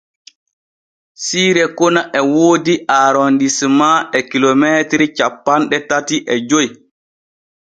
Siire kona e woodi Arondisema e kilomeetiri cappanɗe tati e joy.